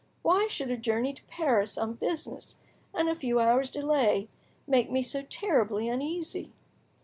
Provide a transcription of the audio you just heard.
Why should a journey to Paris on business, and a few hours' delay, make, me so terribly uneasy?